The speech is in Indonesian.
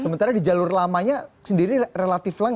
sementara di jalur lamanya sendiri relatif lang